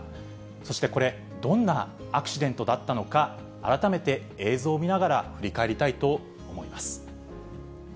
そしてこれ、どんなアクシデントだったのか、改めて映像を見ながら振り返りたいと思います。